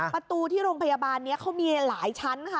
ประตูที่โรงพยาบาลนี้เขามีหลายชั้นค่ะ